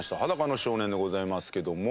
『裸の少年』でございますけども。